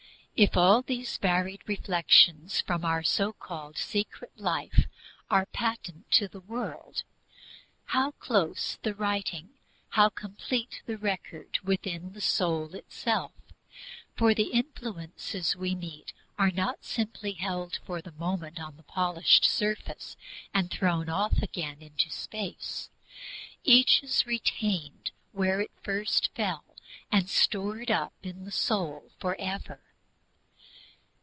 If all these varied reflections from our so called secret life are patent to the world, how close the writing, complete the record within the soul itself! For the influences we meet are not simply held for a moment on the polished surface and thrown off again into space. Each is retained where first it fell, and stored up in the soul forever.